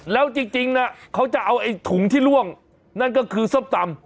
แล้วจริงนะเขาจะเอาไอ้ถุงที่ล่วงนั่นก็คือส้มตำ